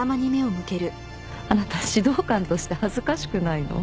あなた指導官として恥ずかしくないの？